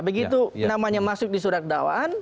begitu namanya masuk di surat dakwaan